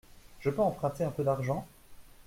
Je peux emprunter un peu d’argent ?